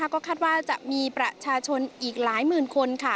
ก็คาดว่าจะมีประชาชนอีกหลายหมื่นคน